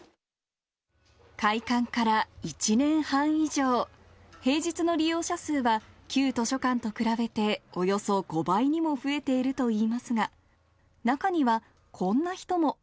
開館から１年半以上、平日の利用者数は、旧図書館と比べておよそ５倍にも増えているといいますが、中には、こんな人も。